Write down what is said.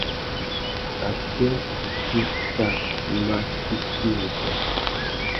Atê, tu tà mà fiti wudja.